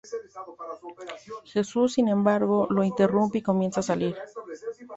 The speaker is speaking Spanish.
Jesús, sin embargo, lo interrumpe y comienza a salir.